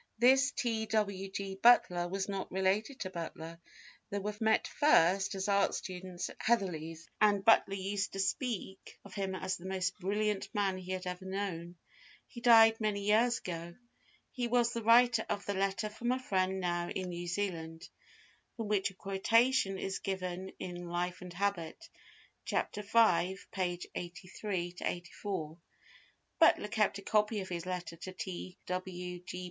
This T. W. G. Butler was not related to Butler, they met first as art students at Heatherley's, and Butler used to speak of him as the most brilliant man he had ever known. He died many years ago. He was the writer of the "letter from a friend now in New Zealand," from which a quotation is given in Life and Habit, Chapter V (pp. 83, 84). Butler kept a copy of his letter to T. W. G.